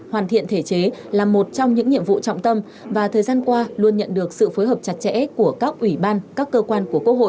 hoàn thiện thể chế là một trong những nhiệm vụ trọng tâm và thời gian qua luôn nhận được sự phối hợp chặt chẽ của các ủy ban các cơ quan của quốc hội